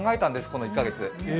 この１カ月。